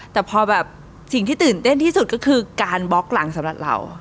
แต่พอแบบสิ่งที่ตื่นเต้นที่สุดก็คือการบล็อกหลังสำหรับเรา